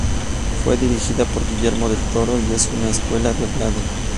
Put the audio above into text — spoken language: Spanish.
Fue dirigida por Guillermo del Toro y es una secuela de Blade.